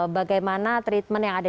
bagaimana treatment yang ada